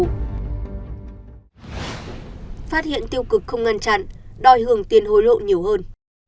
phát hiện tiêu cực không ngăn chặn đòi hưởng tiền hối lộ nhiều hơn